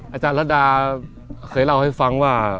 อาจารย์ระดาเคยเล่าให้ฟังว่า